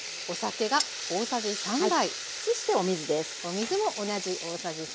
そしてお水です。